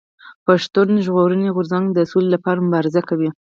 پښتون ژغورني غورځنګ د سولي لپاره مبارزه کوي.